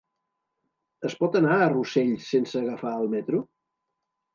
Es pot anar a Rossell sense agafar el metro?